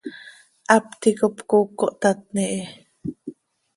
Hap ticap cooc cohtatni hi.